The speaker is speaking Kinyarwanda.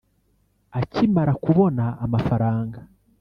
Akimara kubona amafaranga